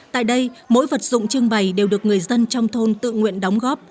tại đây mỗi vật dụng trưng bày đều được người dân trong thôn tự nguyện đóng góp